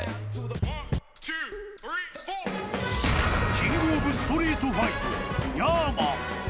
キングオブストリートファイトＹＡ‐ＭＡＮ。